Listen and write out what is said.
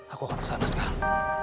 aku akan kesana sekarang